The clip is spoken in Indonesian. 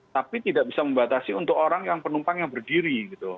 tapi tidak bisa membatasi untuk orang yang penumpang yang berdiri